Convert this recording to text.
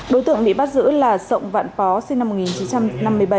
đối tượng bị bắt giữ là sộng vạn phó sinh năm một nghìn chín trăm năm mươi bảy